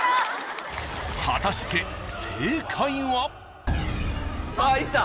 ［果たして正解は］いった。